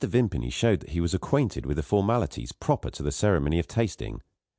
Vimpany showed that he was acquainted with the formalities proper to the ceremony of tasting.